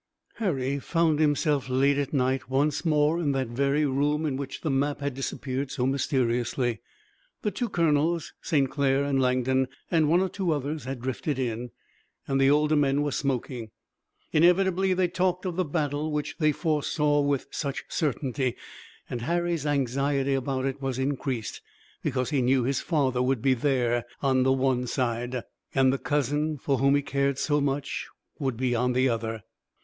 Harry found himself late at night once more in that very room in which the map had disappeared so mysteriously. The two colonels, St. Clair and Langdon, and one or two others had drifted in, and the older men were smoking. Inevitably they talked of the battle which they foresaw with such certainty, and Harry's anxiety about it was increased, because he knew his father would be there on one side, and the cousin, for whom he cared so much, would be on the other.